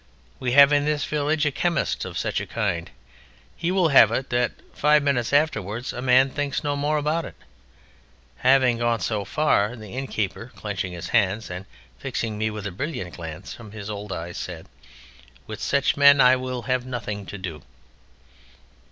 We have in this village a chemist of such a kind. He will have it that, five minutes afterwards, a man thinks no more about it." Having gone so far, the innkeeper, clenching his hands and fixing me with a brilliant glance from his old eyes, said: "With such men I will have nothing to do!"